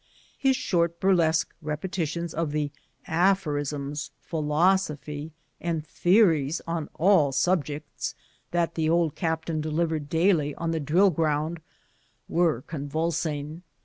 His short burlesque repetitions of the aphorisms, philosophy, and theories on all subjects, that the old captain delivered daily on the drill ground, were convulsing.